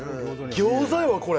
餃子やわこれ！